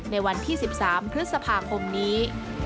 ในวันที่๑๓พฤษภาคมนี้